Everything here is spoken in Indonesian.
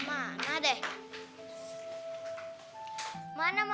mak udah ikhlas